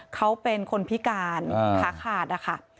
เขาเป็นคนพิการขาขาดนะคะ